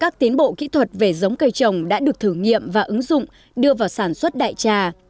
các tiến bộ kỹ thuật về giống cây trồng đã được thử nghiệm và ứng dụng đưa vào sản xuất đại trà